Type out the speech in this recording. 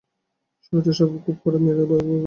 সুরীতির স্বভাব খুব কড়া, মেয়েরা তাকে ভয় করে।